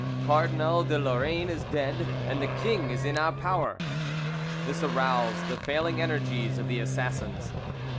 Cardinal de Lorraine is dead, and the king is in our power." This aroused the failing energies of the assassins.